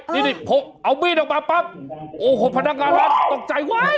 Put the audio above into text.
นี่พกเอามีดออกมาปั๊บโอ้โหพนักงานวัดตกใจว่ะ